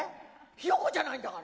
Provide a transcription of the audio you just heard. ヒヨコじゃないんだから。